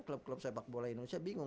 klub klub sepak bola indonesia bingung